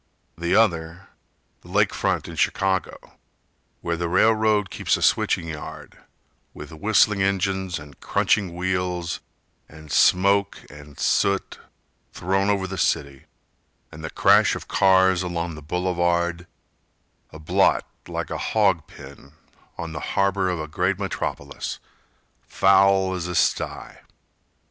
The other, the lake front in Chicago, Where the railroad keeps a switching yard, With whistling engines and crunching wheels And smoke and soot thrown over the city, And the crash of cars along the boulevard,— A blot like a hog pen on the harbor Of a great metropolis, foul as a sty.